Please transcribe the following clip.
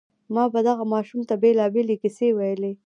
ما به دغه ماشوم ته بېلابېلې کيسې ويلې.